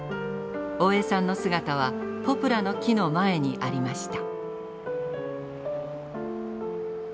大江さんの姿はポプラの木の前にありました。